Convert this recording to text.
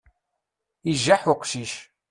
Ijaḥ uqcic.